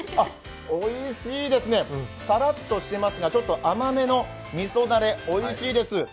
おいしいですね、さらっとしていますが甘めのみそだれ、おいしいです。